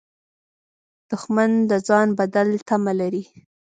دښمن د ځان بدل تمه لري